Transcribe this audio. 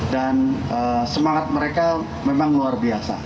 dan semangat mereka memang luar biasa